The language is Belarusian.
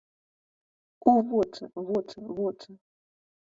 У вочы, вочы, вочы.